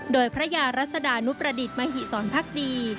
โดยพระยารัศดานุประดิษฐ์มหิสรพักดี